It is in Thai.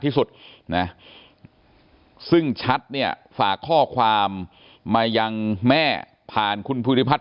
ที่สุดนะซึ่งชัดเนี่ยฝากข้อความมายังแม่ผ่านคุณภูริพัฒน